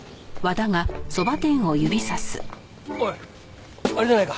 おいあれじゃないか？